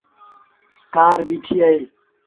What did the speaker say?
ڪآر بيٚٺيٚ اهي۔